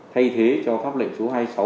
thay thế cho pháp lệnh số hai mươi sáu